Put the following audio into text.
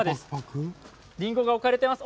りんごが置かれています。